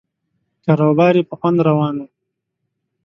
کاروبار یې په خوند روان و.